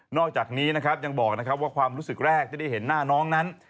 อกจากนี้นะครับยังบอกนะครับว่าความรู้สึกแรกที่ได้เห็นหน้าน้องนั้น